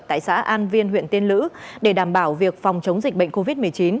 tại xã an viên huyện tiên lữ để đảm bảo việc phòng chống dịch bệnh covid một mươi chín